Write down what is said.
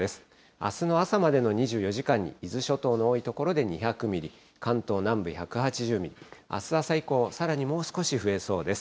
あすの朝までの２４時間に、伊豆諸島の多い所で２００ミリ、関東南部１８０ミリ、あす朝以降、さらにもう少し増えそうです。